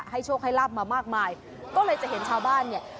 โชคให้ลาบมามากมายก็เลยจะเห็นชาวบ้านเนี่ย